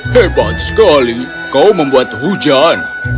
hebat sekali kau membuat hujan